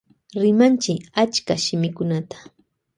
Rimanchi achka shimikunata.